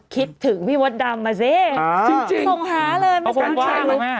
คิดถึงพี่มดดำมาสิส่งหาเลยไม่ส่งมามากนะครับจริง